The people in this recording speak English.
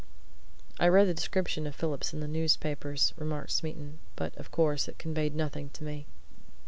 "I read the description of Phillips in the newspapers," remarked Smeaton. "But, of course, it conveyed nothing to me."